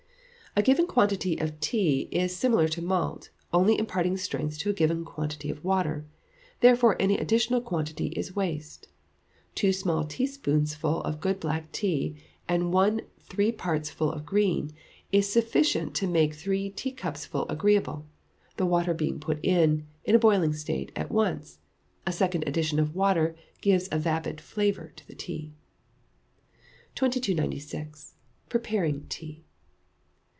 A given quantity of tea is similar to malt only imparting strength to a given quantity of water, therefore any additional quantity is waste. Two small teaspoonfuls of good black tea and one three parts full of green, is sufficient to make three teacupfuls agreeable, the water being put in, in a boiling state, at once; a second addition of water gives a vapid flavour to tea. 2296. Preparing Tea.